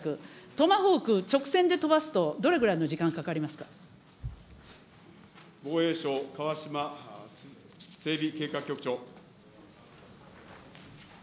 トマホーク直線で飛ばすと、どれ防衛省、川嶋整備計画局長。